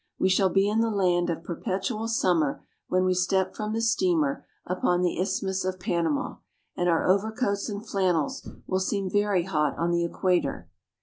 We shall be in the land of perpetual summer when we step from the steamer upon the Isthmus of Panama, and our overcoats and flannels will seem very hot on the equator.